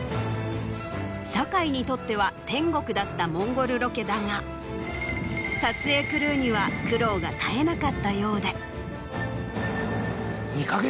堺にとっては天国だったモンゴルロケだが撮影クルーには苦労が絶えなかったようで。